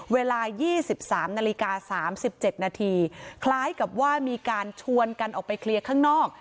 เวลายี่สิบสามนาฬิกาสามสิบเจ็ดนาทีคล้ายกับว่ามีการชวนกันออกไปเคลียร์ข้างนอก